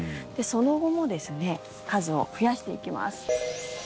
その後も数を増やしていきます。